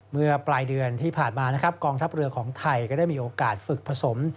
เมื่อปลายเดือนที่ผ่านมานะครับกองทัพเรือของไทยก็ได้มีโอกาสฝึกผสม